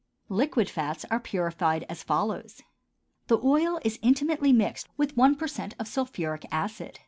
Liquid fats are purified as follows: The oil is intimately mixed with one per cent of sulphuric acid.